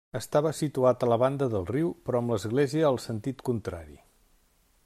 Estava situat a la banda del riu però amb l'església al sentit contrari.